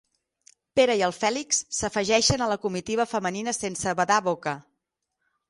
Pere i el Fèlix s'afegeixen a la comitiva femenina sense badar boca.